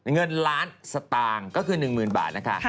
เงินล้านสตางค์ก็คือ๑๐๐๐บาทนะคะ